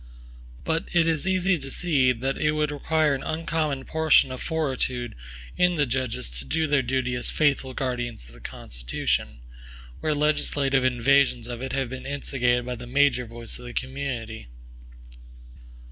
But it is easy to see, that it would require an uncommon portion of fortitude in the judges to do their duty as faithful guardians of the Constitution, where legislative invasions of it had been instigated by the major voice of the community.